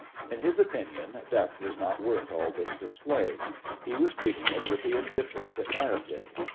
In his opinion death was not worth all this display. He was treating it with the indifference it merited.